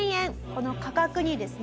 この価格にですね